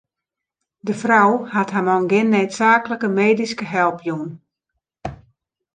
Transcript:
De frou hat har man gjin needsaaklike medyske help jûn.